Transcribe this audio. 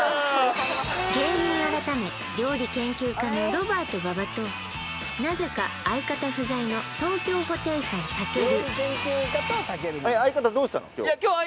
芸人改め料理研究家のロバート馬場となぜか相方不在の東京ホテイソンたける